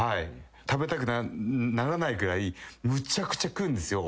食べたくならないくらいむちゃくちゃ食うんですよ